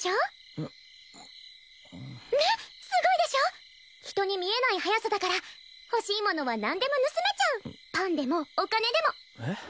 ううんねっすごいでしょ人に見えない速さだから欲しいものは何でも盗めちゃうパンでもお金でもえっ？